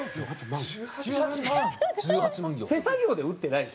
手作業では打ってない？